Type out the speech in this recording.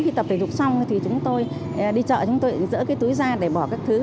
khi tập thể dục xong thì chúng tôi đi chợ chúng tôi dỡ cái túi ra để bỏ các thứ